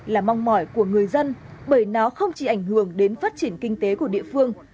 là mong mỏi của người dân bởi nó không chỉ ảnh hưởng đến phát triển kinh tế của địa phương